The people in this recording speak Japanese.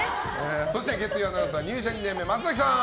そして月曜アナウンサー入社２年目、松崎さん。